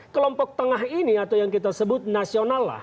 kelompok tengah ini atau yang kita sebut nasional lah